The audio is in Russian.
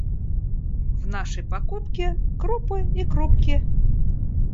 В нашей покупке — крупы и крупки.